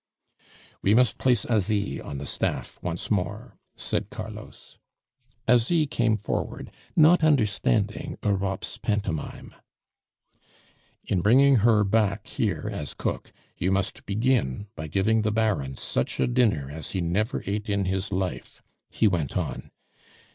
"We must place Asie on the staff once more," said Carlos. Asie came forward, not understanding Europe's pantomime. "In bringing her back here as cook, you must begin by giving the Baron such a dinner as he never ate in his life," he went on.